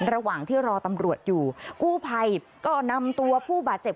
ระหว่างที่รอตำรวจอยู่กู้ภัยก็นำตัวผู้บาดเจ็บ